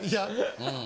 うん。